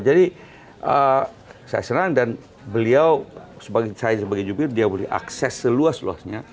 jadi saya senang dan beliau sebagai saya sebagai jubir dia boleh akses seluas luasnya